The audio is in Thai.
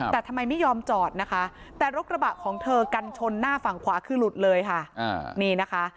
แต่ทำไมไม่ยอมจอดนะคะแต่รถกระบะของเธอกันชนหน้าฝั่งขวาคือหลุดเลยค่ะนี่นะคะ